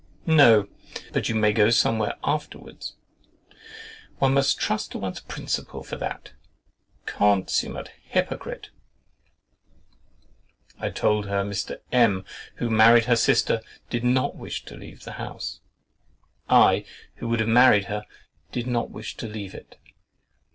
"No, but you may go some where afterwards."—"One must trust to one's principle for that." Consummate hypocrite! I told her Mr. M——, who had married her sister, did not wish to leave the house. I, who would have married her, did not wish to leave it.